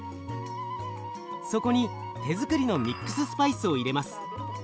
そこに手づくりのミックススパイスを入れます。